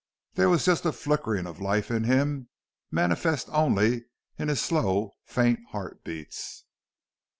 There was just a flickering of life in him, manifest only in his slow, faint heart beats.